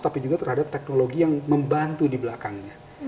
tapi juga terhadap teknologi yang membantu di belakangnya